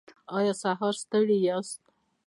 ایا سهار ستړي یاست؟